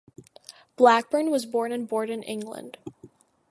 Blackburne was born in Bordon, England.